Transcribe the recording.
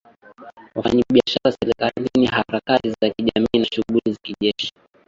wafanyabiashara serikali harakati za kijamii na shughuli za kijeshi